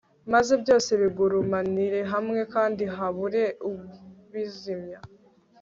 maze byose bigurumanire hamwe kandi habure ubizimya